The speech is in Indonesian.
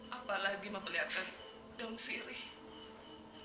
apalagi membeliakan daun sirih